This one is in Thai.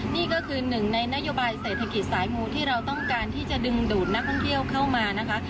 นี่ก็คือหนึ่งในนโยบายเศรษฐกิจสายมูที่เราต้องการที่จะดึงดูดนักท่องเที่ยวเข้ามานะคะ